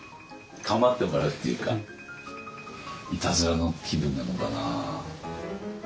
構ってもらうっていうかいたずらの気分なのかな？